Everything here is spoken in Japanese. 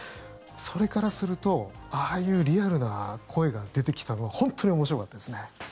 それからするとああいうリアルな声が出てきたのは本当に面白かったですね。